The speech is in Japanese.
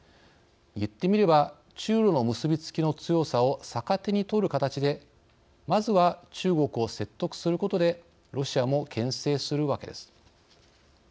言ってみれば中ロの結び付きの強さを逆手に取る形でまずは、中国を説得することでロシアもけん制するわけです。